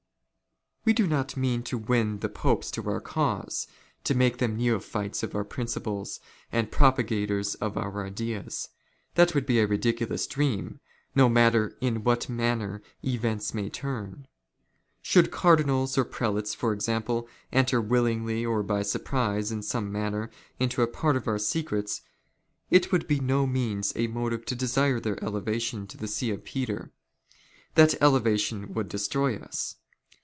" We do not mean to win the Popes to our cause, to make " them neophytes of our principles, and propagators of our ideas. " That would be a ridiculous dream, no matter in what manner PERMANENT INSTRUCTION OF THE ALTA VENDITA. 67 '^ events may turn. Should cardinals or prelates, for example, " enter, willingly or by surprise, in some manner, into a part of " our secrets, it would be by no means a motive to desire their '* elevation to the See of Peter. That elevation would destroy us.